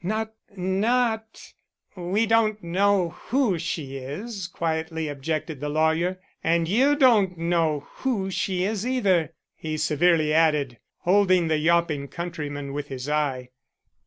Not not " "We don't know who she is," quietly objected the lawyer. "And you don't know who she is either," he severely added, holding the yawping countryman with his eye.